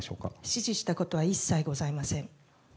指示したことは一切ございません。